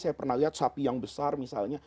saya pernah lihat sapi yang besar misalnya